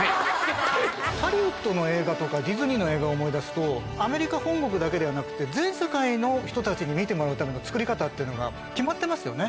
ハリウッドの映画とかディズニーの映画思い出すと、アメリカ本国だけではなくて、全世界の人たちに見てもらうための作り方っていうのが決まってますよね。